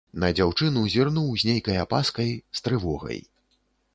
На дзяўчыну зірнуў з нейкай апаскай, з трывогай.